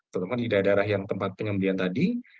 teman teman di daerah daerah yang tempat penyembunyian tadi